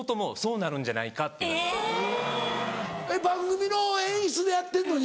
番組の演出でやってるのに？